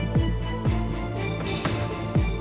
เลือกคุณไฟล์